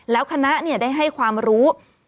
แล้วคณะได้ให้ความรู้